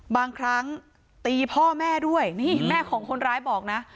บางครั้งตีพ่อแม่ด้วยนี่แม่ของคนร้ายบอกนะ